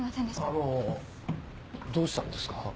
あのどうしたんですか？